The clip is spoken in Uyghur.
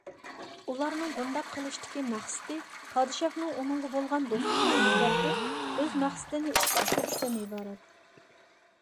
ئۇلارنىڭ بۇنداق قىلىشتىكى مەقسىتى پادىشاھنىڭ ئۇنىڭغا بولغان دوستلۇقىنى ئۆزگەرتىپ، ئۆز مەقسىتىنى ئىشقا ئاشۇرۇشتىن ئىبارەت.